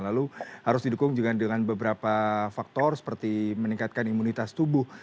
lalu harus didukung juga dengan beberapa faktor seperti meningkatkan imunitas tubuh